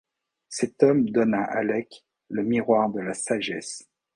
Cet homme donne à Alec le miroir de la Sagesse.